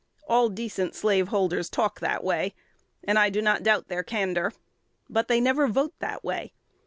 All decent slaveholders talk that way; and I do not doubt their candor. But they never vote that way.